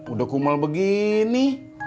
udah kumel begini